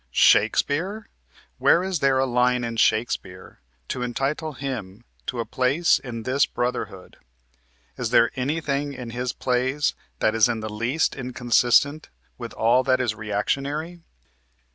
Shakespeare? where is there a line in Shakespeare to entitle him to a place in this brotherhood? Is there anything in his plays that is in the least inconsistent with all that is reactionary?